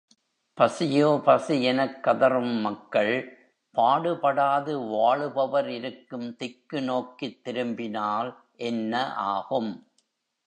பசியோ பசி எனக் கதறும் மக்கள், பாடுபடாது வாழுபவர் இருக்கும் திக்கு நோக்கித் திரும்பினால், என்ன ஆகும்?